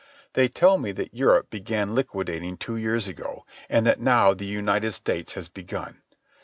They tell me that Europe began liquidating two years ago, and that now the United States has begun.